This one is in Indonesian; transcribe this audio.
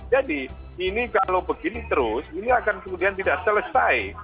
jadi ini kalau begini terus ini akan kemudian tidak selesai